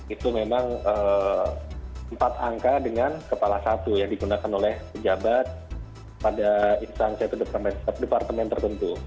itu memang empat angka dengan kepala satu yang digunakan oleh pejabat pada instansi atau departemen tertentu